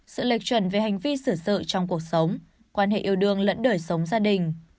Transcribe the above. sự lệch chuẩn về hành vi sử sự trong cuộc sống quan hệ yêu đương lẫn đời sống gia đình